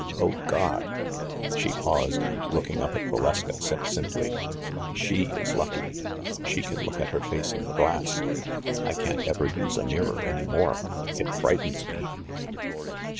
Oh, God !" She paused, and looking up at Valeska said simply, "She is lucky. She can look at her face in the glass. I can't ever use a mirror any more. It frightens me."